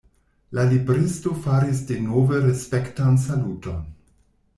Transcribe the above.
La libristo faris denove respektan saluton.